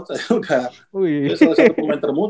saya salah satu pemain termu